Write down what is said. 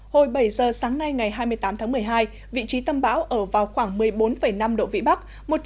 hồi bảy giờ sáng nay ngày hai mươi tám tháng một mươi hai vị trí tâm bão ở vào khoảng một mươi bốn năm độ vĩ bắc